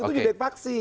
itu juga faksi